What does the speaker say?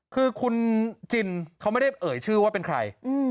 คือคุณจินเขาไม่ได้เอ่ยชื่อว่าเป็นใคร